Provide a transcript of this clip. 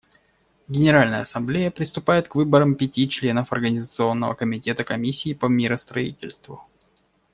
Генеральная Ассамблея приступает к выборам пяти членов Организационного комитета Комиссии по миростроительству.